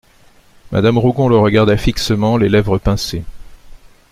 Madame Rougon le regarda fixement, les lèvres pincées.